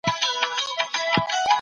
موږ به هرومرو هغه ته طيب ژوند ورکړو.